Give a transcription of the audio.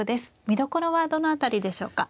見どころはどの辺りでしょうか。